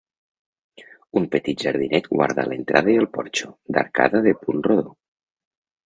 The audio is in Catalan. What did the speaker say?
Un petit jardinet guarda l'entrada i el porxo, d'arcada de punt rodó.